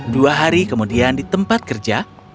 dua hari kemudian di tempat kerja